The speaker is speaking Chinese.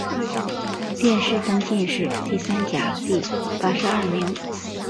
殿试登进士第三甲第八十二名。